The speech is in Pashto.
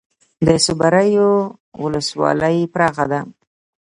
د صبریو ولسوالۍ پراخه ده